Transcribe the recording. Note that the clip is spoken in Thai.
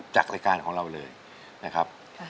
จากรายการของเราเลยนะครับ